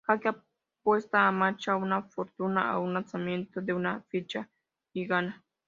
Jake apuesta a Macha una fortuna a un lanzamiento de una ficha y gana.